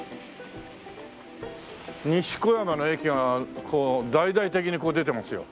西小山の駅がこう大々的に出てますよ。